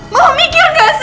mau mikir nggak sih